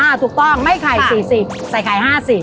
ถูกต้องไม่ไข่๔๐ใส่ไข่๕๐